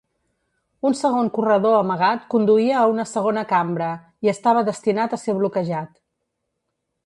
Un segon corredor amagat conduïa a una segona cambra, i estava destinat a ser bloquejat.